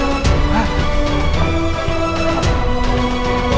bisa gak kann afterward